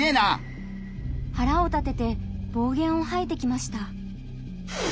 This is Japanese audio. はらを立てて暴言をはいてきました。